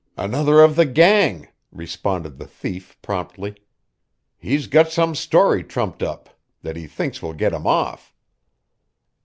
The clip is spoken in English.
"Another of the gang," responded the thief promptly. "He's got some story trumped up that he thinks will get him off."